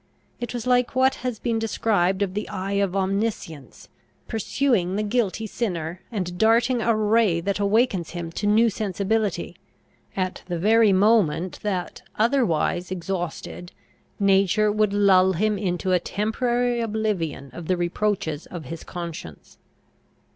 It was like what has been described of the eye of Omniscience, pursuing the guilty sinner, and darting a ray that awakens him to new sensibility, at the very moment that, otherwise, exhausted nature would lull him into a temporary oblivion of the reproaches of his conscience.